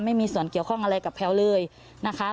ไม่มีส่วนเกี่ยวข้องอะไรกับแพลวเลยนะคะ